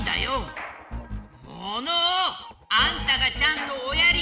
モノオ！あんたがちゃんとおやり！